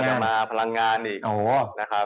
กลุ่มแบงค์ก็มาพลังงานอีก